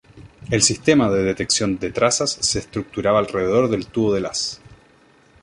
El sistema de detección de trazas se estructuraba alrededor del tubo del haz.